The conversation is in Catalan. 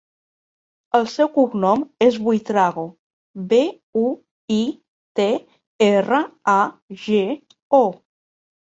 El seu cognom és Buitrago: be, u, i, te, erra, a, ge, o.